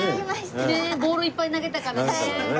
ボールいっぱい投げたからね。